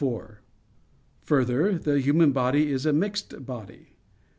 4: Further, the human body is a mixed body.